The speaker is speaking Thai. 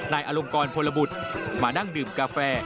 อลงกรพลบุตรมานั่งดื่มกาแฟ